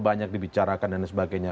banyak dibicarakan dan sebagainya